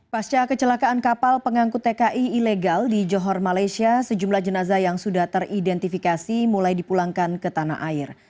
pasca kecelakaan kapal pengangkut tki ilegal di johor malaysia sejumlah jenazah yang sudah teridentifikasi mulai dipulangkan ke tanah air